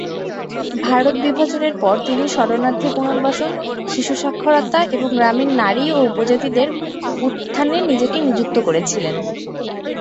ভারত-বিভাজনের পর, তিনি শরণার্থী পুনর্বাসন, শিশু সাক্ষরতা এবং গ্রামীণ নারী ও উপজাতিদের উত্থানে নিজেকে নিযুক্ত করেছিলেন।